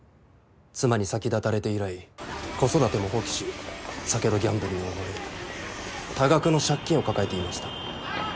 妻に先立たれて以来子育ても放棄し酒とギャンブルに溺れ多額の借金を抱えていました。